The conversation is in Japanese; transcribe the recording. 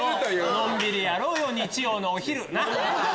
のんびりやろうよ日曜のお昼なっ？